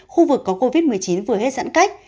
khu vực có covid một mươi chín vừa hết giãn cách